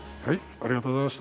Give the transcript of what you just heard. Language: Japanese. ありがとうございます。